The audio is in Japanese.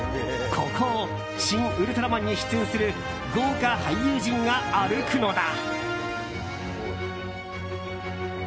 ここを「シン・ウルトラマン」に出演する豪華俳優陣が歩くのだ。